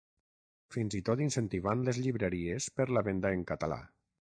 Fins i tot incentivant les llibreries per la venda en català.